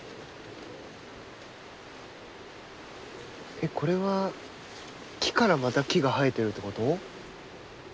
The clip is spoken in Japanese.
えっこれは木からまた木が生えているってこと？